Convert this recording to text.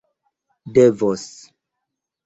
devos